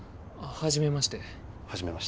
初めまして。